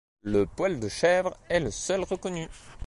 Le poil de chèvre est le seul reconnu.